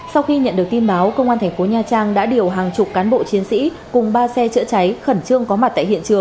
sau khi nhận được tin báo công an thành phố nha trang đã điều hàng chục cán bộ chiến sĩ cùng ba xe chữa cháy khẩn trương có mặt